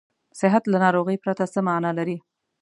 صحت له ناروغۍ پرته څه معنا لري.